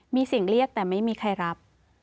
มีเสียงเรียกแต่ไม่มีใครรับ